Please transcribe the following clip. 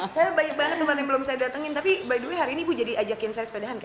saya baik banget tempat yang belum saya datangin tapi baduy hari ini jadi ajakin saya sepeda